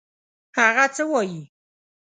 هغه څه وايي.